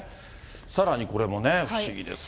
さらにこれもね、不思議ですけど。